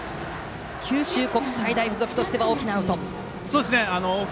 九州国際大付属としては大きなアウト。